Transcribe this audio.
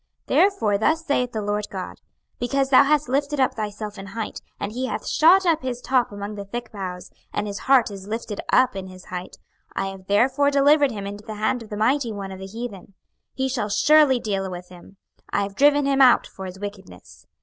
26:031:010 Therefore thus saith the Lord GOD; Because thou hast lifted up thyself in height, and he hath shot up his top among the thick boughs, and his heart is lifted up in his height; 26:031:011 I have therefore delivered him into the hand of the mighty one of the heathen; he shall surely deal with him: I have driven him out for his wickedness.